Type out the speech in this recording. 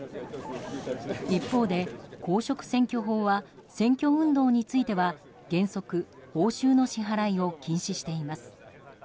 一方で公職選挙法は選挙運動については原則、報酬の支払いを禁止しています。